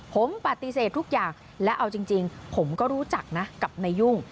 ผมปฏิเสธทุกอย่างและเอาจริงผมก็รู้จักนะกับนายยุ่ง